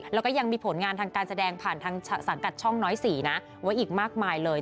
แล้วก็ยังมีผลงานทางการแสดงผ่านทางสังกัดช่องน้อย๔นะไว้อีกมากมายเลย